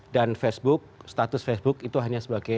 dan facebook status facebook itu hanya sebagai